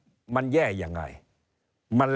เริ่มตั้งแต่หาเสียงสมัครลง